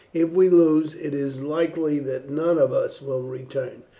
If we lose, it is likely that none of us will return.